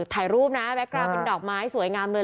ถ่ายรูปนะแก๊กกราวเป็นดอกไม้สวยงามเลย